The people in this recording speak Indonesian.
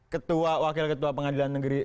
ketua wakil ketua pengadilan negeri